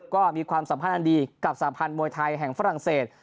ก็มีความสัมพันธ์อันดีกับสัมพันธ์มวยไทยแห่งฝรั่งเศส